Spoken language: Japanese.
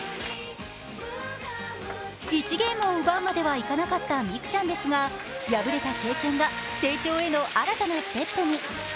１ゲームを奪うまではいかなかった美空ちゃんですが、敗れた経験が成長への新たなステップに。